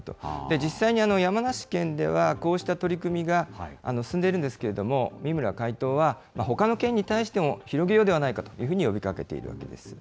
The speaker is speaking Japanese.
実際に山梨県では、こうした取り組みが進んでいるんですけれども、三村会頭は、ほかの県に対しても、広げようではないかというふうに呼びかけているわけです。